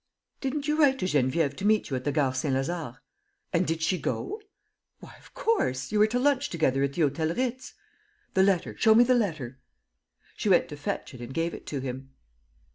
..." "Didn't you write to Geneviève to meet you at the Gare Saint Lazare?" "And did she go?" "Why, of course. ... You were to lunch together at the Hôtel Ritz." "The letter. ... Show me the letter." She went to fetch it and gave it to him.